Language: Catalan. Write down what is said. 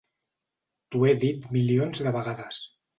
T'ho he dit milions de vegades.